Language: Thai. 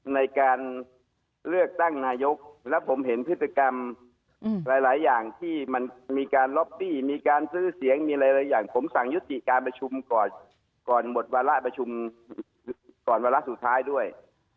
ในการเลือกตั้งนายกแล้วผมเห็นพฤติกรรมหลายอย่างที่มันมีการล็อบบี้มีการซื้อเสียงมีหลายอย่างผมสั่งยุติการประชุมก่อนหมดวาระประชุมก่อนวาระสุดท้ายด้วย